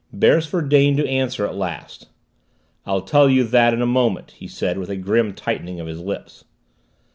Beresford deigned to answer at last. "I'll tell you that in a moment," he said with a grim tightening of his lips.